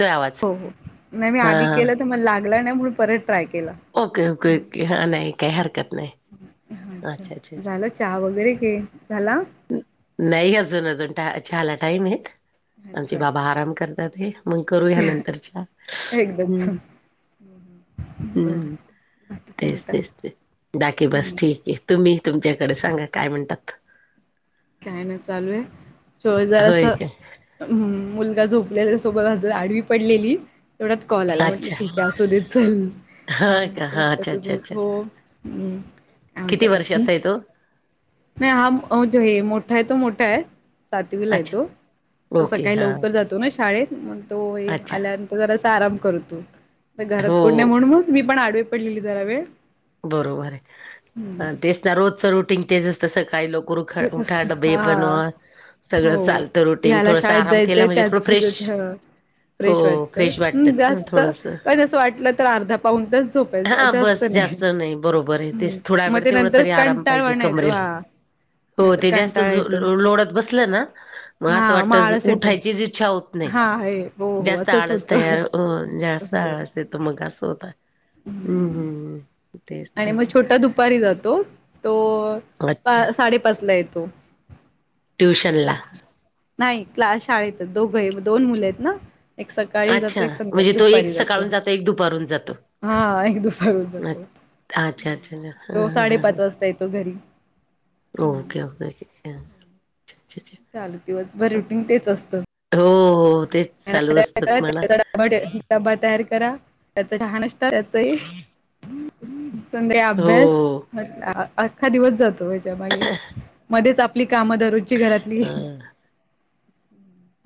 येतोय आवाज हो हो नाही मी हा आधी हा केलं तर मला लागला नाही म्हणून परत ट्राय केला. ओके ओके ओके, हा नाही काही हरकत नाही. हा अच्छा झाला चहा वगैरे काय झाला? नाही अजून अजून चहाला टाईम हे. आमचे अच्छा. बाबा आराम करतात हे मग करूया नंतरच्या चहा एकदाच हम्. बरं अं बाकी काय तेच म्हणता? तेच ते, बाकी बस हम्म ठीक. येतो मी तुमच्याकडं सांगा काय म्हणतात? काय ना चालू हाय, शो होय जरासं काय हम् मुलगा झोपला त्याच्यासोबत आडवी पडलेली. तेवढ्यात कॉल आला म्हटलं, अच्छा ठीक आहे असू दे चल. होय का हम्म हा अच्छा रक्तातच अच्छा हाय अच्छा हो, अं काय किती म्हणता बाकी? वर्षाचा आहे तो नाही हा [unintelligible] मोठा हाय तो मोठा हाय. सातवीला हाय अच्छा तो. तो ओके सकाळी हा लवकर जातो ना शाळेत, मग तो अच्छा आल्या तो जरासं आराम करतो. घरात हो कोण नाही म्हणून मग मी पण आडवी पडलेली जरा वेळ. बरोबर आहे. हम्म. तेच ना रोजचं रुटींग तेच असतं सकाळी लव उरखा तेच उठा असतं डबे हा बनवा, सगळं हो चालतं रुटीन. थोडसं आराम केला म्हणजे थोडं फ्रेश दिसत हां. हो फ्रेश वाटतं. फ्रेश हं वाटतात ना जास्त, थोडसं कधी असं वाटलं तर अर्धा पाऊण तास झोपायचं हा जास्त बस नाही. नाही बरोबर आहे, हम्म तेच थोड्या वेळ मग ते तेवढं नंतर तरी आराम पाहिजे कंटाळवाणा येतो कमरेला. हा हो नंतर ते जास्त कंटाळा येतो. लोळत बसलं ना मग. असं हा वाटत आळस येतं उठायचीच इच्छा होत नाही. हा आहे हो हो जास्त असंच आळस होतं तयार जास्त हो. आळस. तेत मग असं होताय. हं हं हम्म. हं. आणि मग छोटा दुपारी जातो, तो पा अच्छा साडेपाच ला येतो. ट्यूशनला. नाही क्लास शाळेत. दोघही दोन मुले आहेत ना‌. एक सकाळी जातो, अच्छा एक संध्या म्हणजे तो एक दुपारी जातो. सकाळून एक दुपारून जातो हा एक दुपारून जातो, अच्छा अच्छा अच्छा हां तो हां साडेपाच हां वाजता येतो घरी. ओके ओके [unintelligible] चालू दिवसभर रुटीन तेच असतं. हो हो तेच. [inaudible] [unintelligible] चालू असतात म्हणा डबा तयार करा, त्याचं चहा नाश्ता, त्याचं हे संध्याकाळी अभ्यास हो म अख्खा दिवस जातो ह्याच्या मागे. मध्येच आ ली कामं दररोजची घरातली. अ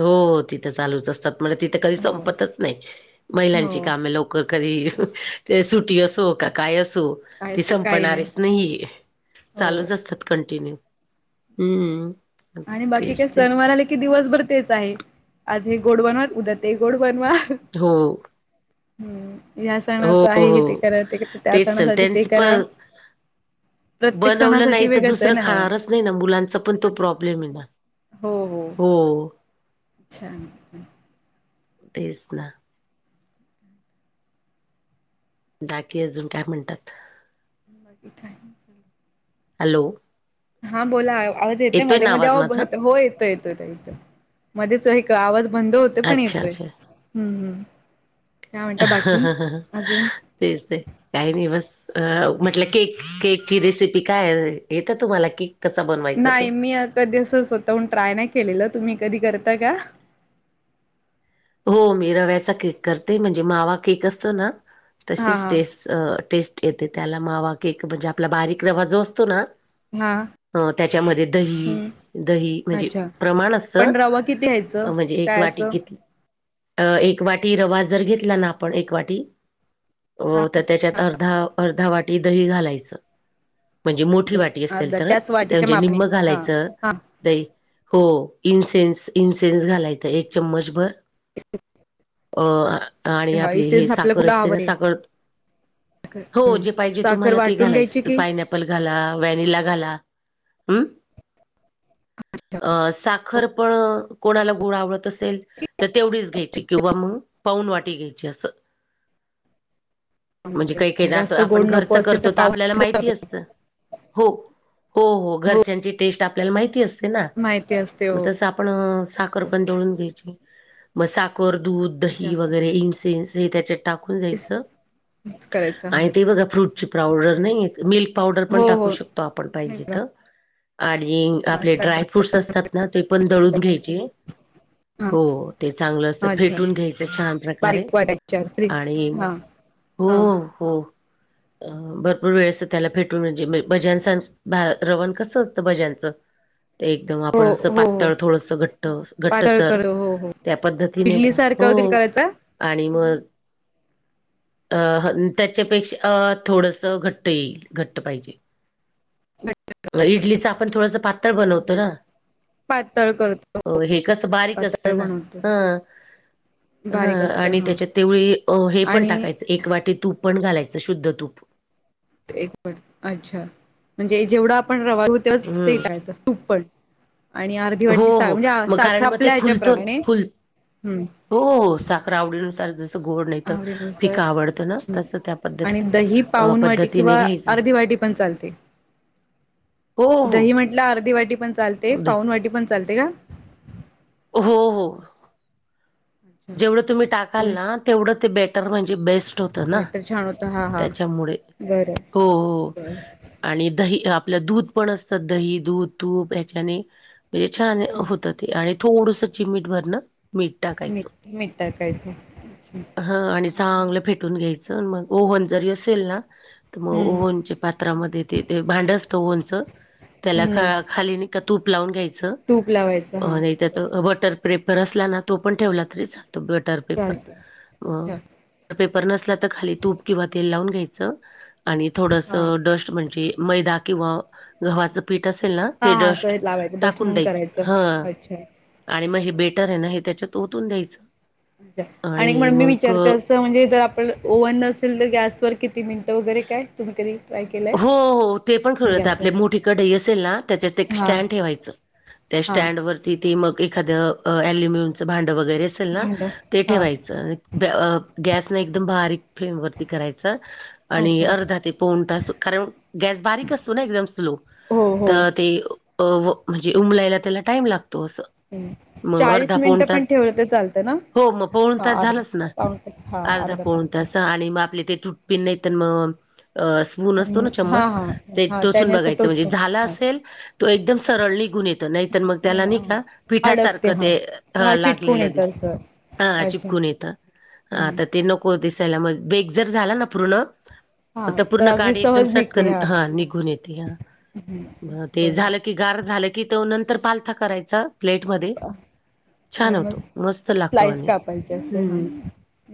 हो तिथं चालूच असतात, म्हणजे तिथं कधी हो संपतच नाहीत महिलांची हो कामे लव क कधी ते सुटी असो, का काय असो. काय ते सो काही नाही संपणारेच नाहीये, हो चालूच असतात कंटिन्यू. हं. आणि बाकी काय सनवार आले की की दिवसभर तेच आहे, आज हे गोड बनवा, उद्या ते गोड बनवा. हो. हं ह्या हो सणाच आहे हे ते हो करा, ते कसं त्या तेच सणासाठी ते त्यांच प करा. प्रत्येक बनवलं नाही सणासाठी तर वेगळंच आहे दुसरं ना हो. खाणारच नाही ना मुलांचा पण तो प्रॉब्लेम आहे ना. हो हो. हो. छान. तेच ना. बाकी अजून काय म्हणतात. [unintelligible] हॅलो. हा बोला आवाज येतेय‌ येतोय मध्ये ना मध्ये आवाज अहो माझा येतो हो येतोय. मध्येच एक आवाज बंद होत. ते पण अच्छा, येतोय, अच्छा. हम्म.. काय म्हणता बाकी अजून. तेच ते काही नाही बस. अ म्हटलं केक केकची रेसिपी काय, येतं तुम्हाला केक? कसा बनवायचा ते? नाही मी कधी असं स्वतःहून ट्राय नाही केलेलं, तुम्ही कधी करता का? हो मी रव्याचा केक करते. म्हणजे मावा केक असतो ना हा तशीच हा टेस्ट. टेस्ट येते त्याला मावा केक म्हणजे आपला बारीक रवा जो असतो ना. हा. अ तेच्यामध्ये दही हम्म दही म्हणजे अच्छा प्रमाण असतं. पण रवा किती घ्यायचं. म्हणजे एक काय वाटी असं घेतली. अ एक वाटी रवा जर घेतला ना आपण एक वाटी हा तर तेच्यात अर्ध दहा अर्धा वाटी दही घालायचं. म्हणजे मोठी वाटी असेल अर्धा तर, त्याच ते वाटीच्या म्हणजे मापने निम्मं हा घालायचं. हा दही हो इन्सेन्स इन्सेन्स घालायचं एक चम्मच भर. इसं. अ आणि आपली हे इसेन्स आपल्या साखर कुला असते हवं ना ते साखर. साखर हो जे पाहिजे साखर तुम्हाला ते वाटून घ्यायची घालायच. की पाय ऍपल घाला, व्हॅनिला घाला हम्म. अ साखर पण कोणाला गुळ आवडत असेल तर तेवढीच घ्यायची किंवा मग. पाऊन वाटी घ्यायची असं. म्हणजे काही काही जास्त आता गोड आपण नको घरच असेल करतो तर पाव आपल्याला माहित. हो हो.. घरच्यांची टेस्ट आपल्याला माहिती असंत. तेना माहिती असते मग हो तसं आप. पण साखर पण दळून घ्यायची. मग साखर अच्छा दही वगैरे इसं तिन्स हे तेच्यात टाकून जायचं करायचा आणि ते बघा फ्रूटची पावडर नाहीेत. मिल्क पावडर पण हो टाकू हो शकतो. आपण पाहिजे तर आणि. आपले ड्रायफ्रूट्स असतात ना, ते पण दळून घ्यायचे. हो ते चांगलं असतं, हा अच्छा फेटून घ्यायचं छान प्रकारे. बारीक वाटायच्या फ्री आणि हा हो हा हो.. भरपूर वेळेस. त्याला फेटून म्हणजे भज्यां रवण कसं असतं भज्यांचं. ते एकदम हो आपण असं हो हो पातळ थोडंसं घट्ट पातळ घट्टसर. कर हो हो त्या पद्धतीने इडली सारखं हो वगैरे करायचा आणि मग. अह त्याच्यापेक्षा अ थोडसं घट्ट येईल. घट्ट पाहिजे. इडलीचं आपण थोडंसं पातळ बनवतो ना. पातळ करतो हो हे कसं बारीक पातळ असतं ना. बनवतो हं.. ह बारीक असतं आणि हा तेच्यात तेवळी हे पण आणि टाकायचं एक वाटी तूप. पण घालायचं शुद्ध तूप. एक पट अच्छा, म्हणजे जेवढा आपण रवा तेवढा ते हम्म टाकायचं तूप पण. आणि अर्धी हो वाटी साख हो.. म्हणजे मग साखर कारण मग ते आपल्या फुलतो. ह्याच्याप्रमाणे फुल हम्म हो हो.. साखर आवडीनुसार. जसं गोड नाही तर आवडीनुसार फिका आवडतं ना हम्म तसं त्या आणि पद्धत दही अ पाऊन वाटी पद्धतीने किंवा घ्यायचं. अर्धी वाटी पण चालते. हो हो. ला अर्धी वाटी पन चालते. दे पाऊन वाटी पन चालते का. हो. हो. अच्छा जेवडं तुम्ही टाकाल पुढे ना तेवडं ते बेटर म्हणजे बेस्ट होतं ना बॅटर छान होतं हा हा त्याच्यामुळे बरं हो हो. बरं आणि दही आपल्या दूध पण असत दही, दूध, तूप हयाच्याने ये छान होतं ते आणि थोडूंस चिमीट भर ना मीठ. मीठ टाकायचं. मीठ टाकायचं. ह आणि चांगलं फेटून घ्यायचं. मग ओव्हन जरी असेल ना. त मग हम्म ओवनच्या पात्रामध्ये ते. ते भांड असतं ओवनचं त्याला हम्म खा खाली नाही का तूप लावून घ्यायचं तूप लावायचं अ हा नाही तर बरं अ अ वटर प्रेपर असला ना तो पण ठेवला तरी चालतो बटर पेपर. चालतय अ, हा. पेपर नसला तर खाली तूप किंवा तेल लावून घ्यायचं आणि हा थोडसं डस्ट म्हणजे मैदा किंवा. गव्हाचं पीठ असेल ना हा ते, हा डस्ट असं लावायचं टाकून डस्टमून द्यायच. करायचं हं... अच्छा आणि मग हे बर. बेटर आहे ना हे त्याच्यात ओतून द्यायचं. आणि म्हणून मी मग हो विचारतेस तवा म्हणजे जर आपण ओव्हन नसेल तर, गॅसवर किती मिनटं वगैरे काय तुम्ही कधी. ट्राय केलंय? हो हो ते पन खू हा [unintelligible] गॅसवर आपले मोठी कढईही असेल ना त्याच्यात हा स्टॅन्ड ठेवायचं. त्या हा स्टॅन्डवर तिथे मग एखादं अ अल्युमिनियमचं भांडं वगैरे असेल ना भांड ते हा ठेवायचं गॅस न एकदम बारीक फ्लेमवरती करायचा आणि अच्छा अर्धा ते पाऊण तास कारण गॅस बारीक असतो ना एकदम स्लो हो त हो ते अ व म्हणजे उमलायला त्याला टाईम लागतो असं. मग चाळीस अर्धा पाऊण मिनिटं पन तास ठेवलं त चालतंय ना. हो मग पोनं हा तास अर्धा झालाच ना पाऊण तास हा अर्धा पाऊण पोन तास आणि मग आपले ते टू पिन त्यां मम अ स्पून न असतो ना हा चमच हा ते हा टोचून त्याने असं बघायचं टोचून झाला अच्छा असेल तर, एकदम सरळ निघून येतो नाहीतर मग त्याला नाही का अडकते पिठासारखं हा हा चिटकून लागलेलं येत असं दिसतयं. ह आ चिपकून येतं. हम्म. ते नको दिसायला मग बेक जर झाला ना पूर्ण. हा तर पूर्ण अगदी काडी सह एकदम सटकन हं निघून येते हं ते बरं झालं की की गार झालं की तो नंतर पालथं करायचं प्लेटमध्ये छान आणि मग होतो मस्त लागतो स्लाइस आणि कापायचे असे हां. हम्म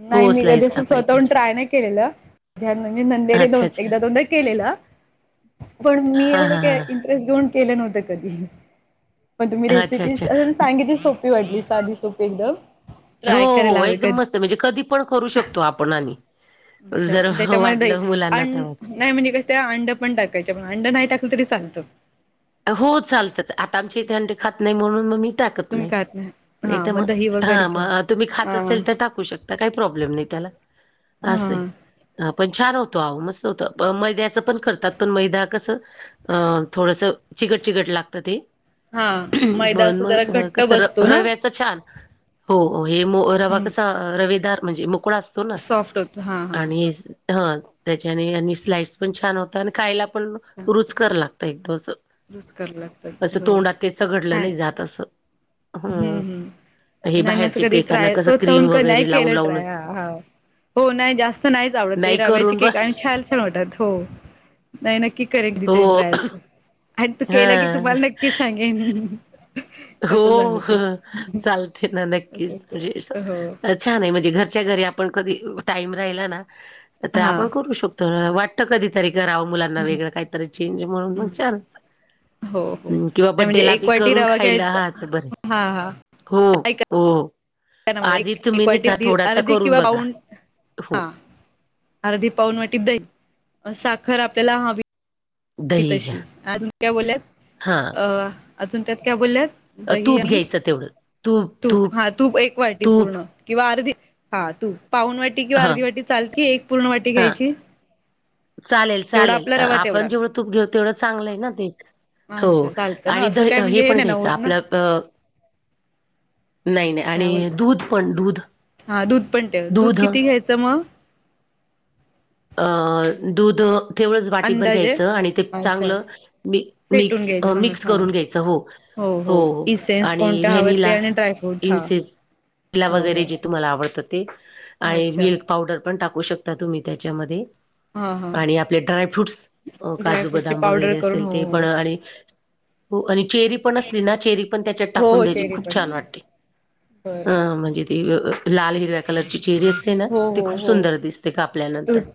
नाई हो मी कदी स्लाईस अस कापायच्या स्वतःहून ट्राय नाही केलेलं. [unintelligible] णजे नंदेरे अच्छा दोन अच्छा एकदा दोनदा केलेलं. पण मी हा एवढं हा काय हा इंटरेस्ट घेऊन केलं नव्हतं कधी? पण तुम्ही अच्छा रेसिपीस् अच्छा असं मी सांगितल त सोपी वाटली साधी, सोपी एकदम हो ट्राय करायला हो हवे एकदम कधी? मस्त म्हणजे कधी पण करू शकतो आपण आणि जर वाटलं मुलांना नाई म्हनजे कस त्या अंड पण टाकायच्या पण अंड नाई टाकलं तरी चालतं. हो चालतंच. आता आमची इथे अंडी खात नाही म्हणून मग मी टाकत तुम्ही नाही. खात नाही हा तर दही वगैरे ठेव. मग तुम्ही खात हा असेल तर टाकू शकता. आता काही प्रॉब्लेम नाही त्याला. हम्म असंय हम्म. पण छान होतो अहो मस्त होतं. मैद्याचं पण करतात, पण मैदा कसं अ थोडंसं चिगट चिगट लागत ते. हा मैदा म्हणून अस जरा मग घट्ट कसं बसतो ना रव्याचं छान. हो हो हे रवा कसा रवेदार म्हणजे मोकळा असतो ना सॉफ्ट होतो हा हा. आणि हा त्याच्याने आणि स्लाइस पण छान होतं आणि खायला पण रुचकर लागत एकदमं असं. युज करलंत. तसं तोंडात त्याच घडलं नाही जात असं. हम्म हं हम्म. हे नाही मी असं बाहेरचे कधी केकांना ट्राय कसं स्वतःहून क्रीम काय नाही वगैरे लावून केलं ट्राय हा लावूनच हा. हो नाही जास्त नाहीच आवडत ते नाही रव्याचे करून बघ केक आणि छान छान वाटतात हो. नाही नक्की करेन तरी हो ट्राय असं. आणि तो केला की हा तुम्हाला नक्की सांगेन. हो कसं झालं ते चालते ना नक्कीच म्हणजे हो असं छान आहे म्हणजे घरच्या घरी आपण कधी टाईम राहिला ना, ‌ तर हा आपण करू शकतो. वाट कधीतरी करावं मुलांना वेगळं काहीतरी चेंज म्हणून मग छान [unintelligible] हो हो हम्म किंवा नाही म्हणजे बड्डेला बी एक वाटी करून रवा खायला घ्यायचा आहात बर. हा हा हो ऐका हो.. आधी तुम्ही एक नाही का वाटी थोडासा अर्धी करून किंवा बघा पाऊन. हो हा... अर्धी पाऊन वाटी दही, साखर आपल्याला हवी ती दही घ्या तशी अजून काय बोलल्यात, अ हा अजून त्यात काय बोलल्यात दही तूप आणि घ्यायचं तेवढं तूप हा तूप एक वाटी तूप पूर्ण. किंवा अर्धी हा तूप पाऊन वाट एक किंवा हा अर्धी वाटी चालती. एक पूर्ण वाटी हा घ्यायची? चालेल जेवढा चालेल आपला रवा तेवढा आपण जेवढं तूप घेऊ तेवढं चांगलं आहे ना ते. हो अच्छा चालतं ना आणि असं काय दह हे म्हणजे पण नाही ना घ्यायचं होत ना आपलं अ नाही नाही काय आणि बोलत दूध पण दूध. हा दूध पण ठेवं. ‌ दूध किती घ्यायचं मग? आ दुध तेवढंच वाटीभर अंदाजे घ्यायचं आणि ते अच्छा चांगलं फेटून मिक-मिक्स घ्यायचं अं मिक्स चांगलं करून हा घ्यायचं हो. हो इसेन्स आणि कोणत्या हवं ते व्हॅनिला आणि ड्रायफ्रूट हा इन्सेस किला हा वगैरे हो जे तुम्हाला आवडतं ते आणि अच्छा मिल्क पावडर पण टाकू शकता तुम्ही त्याच्यामध्ये. हा हा आणि आपले ड्राय फ्रूट्स अं काजू, ड्रायफ्रूटची बदाम पावडर वगैरे करून असेल हो ते पण हो आणि हो आणि चेरी ती पण असली ना चेरी पण त्याच्यात हो टाकून हो द्यायची चेरी खूप पण छान वाटते. बरं अं म्हणजे ती अ लाल हिरव्या कलरची चेरी असते ना, हो ती हो खूप हो सुंदर दिसते काप कापल्यानंतर टूट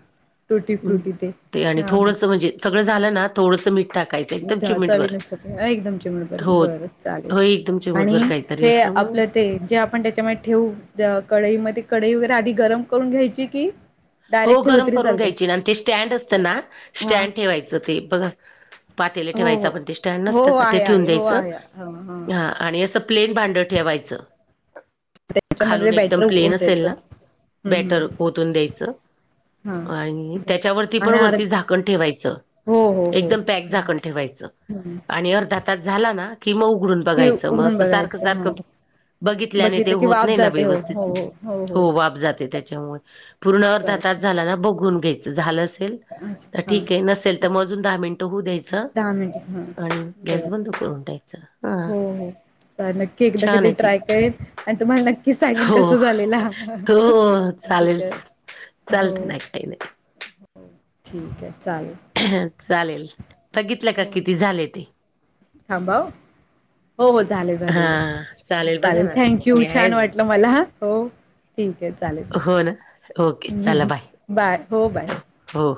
टुटी हम्म फ्रुटी ते आणि हा थोडंसं म्हणजे सगळं झालं ना थोडंसं मीठ टाक. हा ते चवीनुसार एकदम चिमूटभर हो बरं चालेल. हो एकदम आणि चिमटभर काहीतरी हे असं मग आपलं ते जे आपण तेच्यामध्ये ठेवू. कढईमध्ये कढई वगैरे आधी गरम करून घ्यायची की. हो डायरेक्ट ठेवलं गरम तरी करून चालतं घ्यायची आणि ते स्टँड असतं ना हा स्टँड ठेवायचं ते बघा. पातेल हो ठेवायच हो आपण ते स्टँड हो नसतं हो का ते आहे ठेवून आहे हो द्यायचं. आहे ह हा.. आणि असं प्लेन भांड ठेवायचं. त्याच्यामध्ये खालून एकदम बॅटर प्लेन असेल होत्याच ना, हम्म ब्याटर ओतून द्यायचं. आणि हम्म हा तेच्यावरती पण आणि अर वरती झाक कण ठेवायचं हो हो हो एकदम पॅक झाकण ठेवायचं हम्म आणि अर्धा तास झाला ना की मग उघडून कि बघायचं, मग उघडून असं सारखं बघायचं हा सारखं. बघितल्याने ते बघितलं की होत वाफ नाही ना जाते हो हो व्यवस्थित हो वाफ जाते तेच्यामुळे. पूर्ण अर्धा तास चालतंय झाला ना बघून घ्यायचं झालं असेल. तर अच्छा ठीक आहे नसेल हां तर मग अजून दहा मिनटं होऊ द्यायचं, दहा मिनिट हां आणि गॅस बरं बंद करून टाक चा आ.. हो हो नक्की एकदा कधी ट्राय करेन आणि, तुम्हाला नक्कीच सांगेन हो कसं झालेला. हो चालेल ठीक आहे हो चालत ना काय नाही. हो ठीक आहे चालेल. चालेल बघितलं का किती झाले ते. थांबव. हो हो झाले झाले हा बघा चालेल ना थँक यू. मी आहे छान अजून वाटलं मला हो. ठीक आहे चालेल. हो ना ओके चला बाय हो बाय. हो.